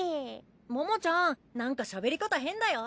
ももちゃんなんかしゃべり方変だよ？